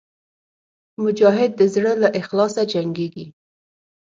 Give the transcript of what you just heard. مجاهد د زړه له اخلاصه جنګېږي.